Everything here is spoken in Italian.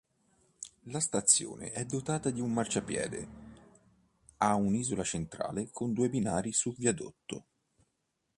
La stazione è dotata un marciapiede a isola centrale con due binari su viadotto.